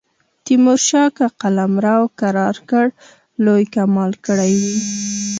تیمورشاه که قلمرو کرار کړ لوی کمال کړی وي.